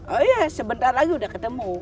oh iya sebentar lagi udah ketemu